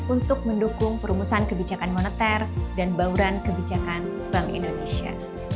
untuk mendukung perumusan kebijakan moneter dan bauran kebijakan bank indonesia